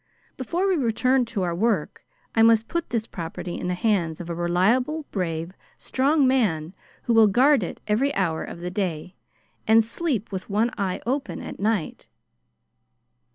Before we return to our work, I must put this property in the hands of a reliable, brave, strong man who will guard it every hour of the day, and sleep with one eye open at night.